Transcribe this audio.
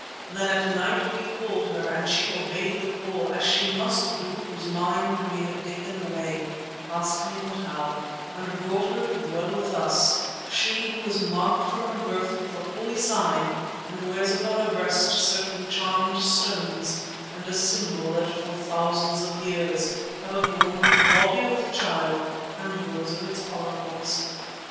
Then at night we called her and she obeyed the call, as she must do whose mind we have taken away—ask me not how—and brought her to dwell with us, she who is marked from her birth with the holy sign and wears upon her breast certain charmed stones and a symbol that for thousands of years have adorned the body of the Child and those of its Oracles.